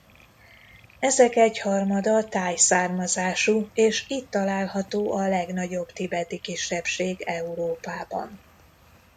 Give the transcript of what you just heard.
Ezek egyharmada thai származású és itt található a legnagyobb tibeti kisebbség Európában.